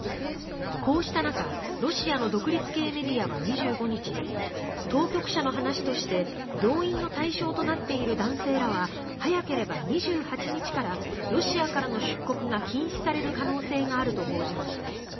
こうした中ロシアの独立系メディアは２５日当局者の話として動員の対象となっている男性らは早ければ２８日からロシアからの出国が禁止される可能性があると報じました。